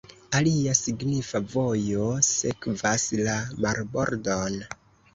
Alia signifa vojo sekvas la marbordon.